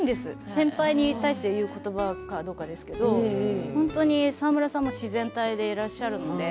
先輩に対して言う言葉かどうかという感じですけど沢村さんも自然体でいらっしゃるので。